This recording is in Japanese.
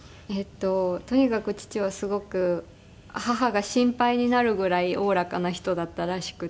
とにかく父はすごく母が心配になるぐらいおおらかな人だったらしくて。